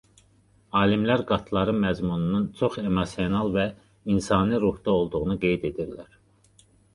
Alimlər "Qat"ların məzmununun çox emosional və "insani" ruhda olduğunu qeyd edirlər.